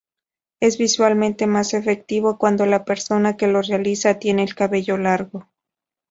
Es visualmente más efectivo cuando la persona que lo realiza tiene el cabello largo.